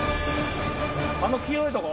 あの黄色いとこ？